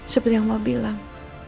seperti yang allah bilang